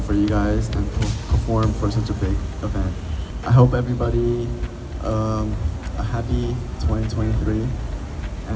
หวังทุกคนจะมีแบบเย็นที่สุด๒๐๒๓